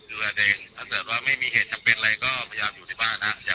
ต้องร่วมมือช่วยกันตอนเนี้ยว้าวจะครับสามารถข้ามนุนี้ไม่ได้ครับ